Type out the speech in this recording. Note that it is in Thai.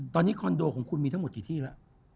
ตอนนี้คอนโดของคุณมีทั้งหมดกี่ที่แล้ว